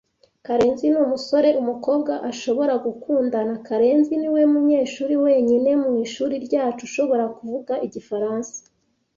Karenzi numusore umukobwa ashobora gukundana. Karenzi niwe munyeshuri wenyine mu ishuri ryacu ushobora kuvuga igifaransa.